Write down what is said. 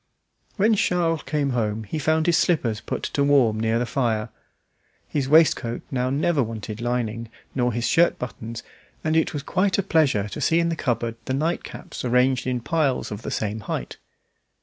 When Charles came home he found his slippers put to warm near the fire. His waistcoat now never wanted lining, nor his shirt buttons, and it was quite a pleasure to see in the cupboard the night caps arranged in piles of the same height.